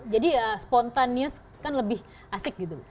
jadi ya spontanious kan lebih asik gitu